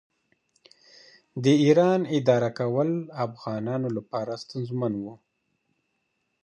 د ایران اداره کول افغانانو لپاره ستونزمن و.